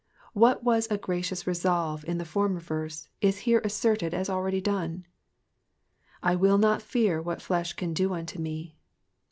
What was a gracious resolve in the former verse, is here asserted as already done. '*/ wiZ/ not fear what flesh can do unto me.'''